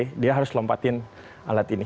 jadi dia harus lompatin alat ini